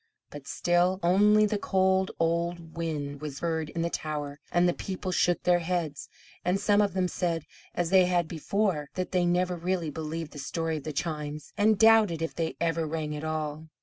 But still only the cold old wind was heard in the tower and the people shook their heads; and some of them said, as they had before, that they never really believed the story of the chimes, and doubted if they ever rang at all.